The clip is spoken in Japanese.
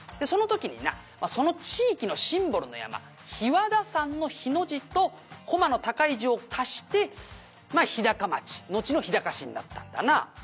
「その時になその地域のシンボルの山日和田山の“日”の字と高麗の“高い”字を足してまあ日高町のちの日高市になったんだな」